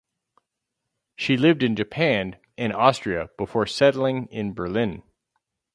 She lived in Japan and Austria before settling in Berlin.